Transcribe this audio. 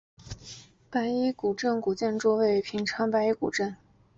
白衣古镇古建筑群位于平昌县白衣古镇。